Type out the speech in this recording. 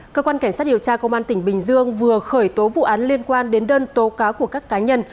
cơ quan cảnh sát điều tra công an tỉnh bình dương vừa khởi tố vụ án liên quan đến đơn tố cáo của các cá nhân